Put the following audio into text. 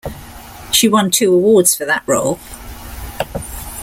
She won two awards for that role.